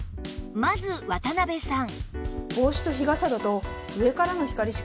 まず渡邉さん